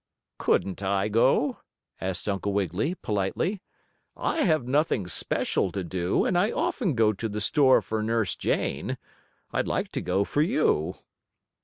"Couldn't I go?" asked Uncle Wiggily, politely. "I have nothing special to do, and I often go to the store for Nurse Jane. I'd like to go for you."